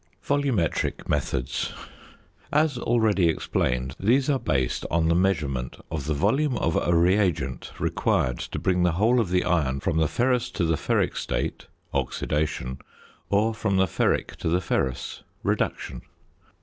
VOLUMETRIC METHODS. As already explained these are based on the measurement of the volume of a reagent required to bring the whole of the iron from the ferrous to the ferric state (oxidation), or from the ferric to the ferrous (reduction).